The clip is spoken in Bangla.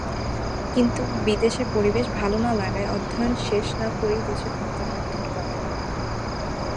কিন্তু বিদেশের পরিবেশ ভালো না-লাগায় অধ্যয়ন শেষ না-করেই দেশে প্রত্যাবর্তন করেন।